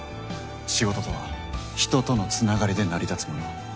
仕事とは人とのつながりで成り立つもの。